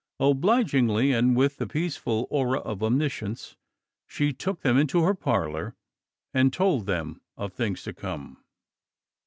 Obligingly, and with the peaceful aura of omniscience, she took them into her parlor and told them of things to come.